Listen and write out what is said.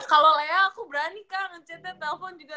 kalau lea aku berani kan ngecte trp ni juga